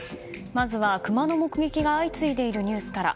まずはクマの目撃が相次いでいるニュースから。